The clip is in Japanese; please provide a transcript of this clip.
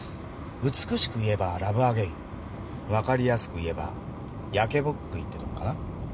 美しく言えばラブアゲインわかりやすく言えば焼けぼっくいってとこかな。